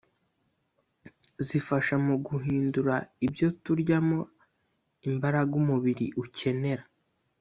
zifasha mu guhindura ibyo turyamo imbaraga umubiri ukenera